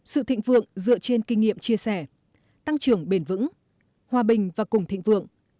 sự thịnh vượng dựa trên kinh nghiệm chia sẻ tăng trưởng bền vững hòa bình và cùng thịnh vượng